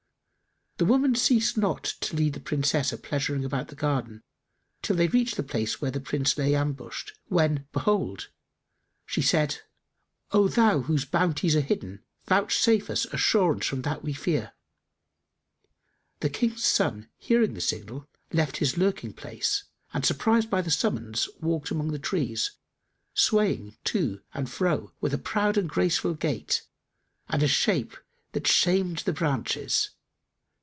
The old woman ceased not to lead the Princess a pleasuring about the garden, till they reached the place where the Prince lay ambushed, when, behold she said, "O Thou whose bounties are hidden, vouchsafe us assurance from that we fear!" The King's son hearing the signal, left his lurking place and, surprised by the summons, walked among the trees, swaying to and fro with a proud and graceful gait and a shape that shamed the branches.